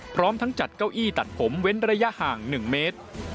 พร้อมทั้งจัดเก้าอี้ตัดผมเว้นระยะห่าง๑เมตร